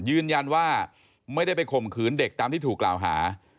ยืนยันว่าไม่ได้ไปข่มขืนเด็กตามที่ถูกกล่าวหา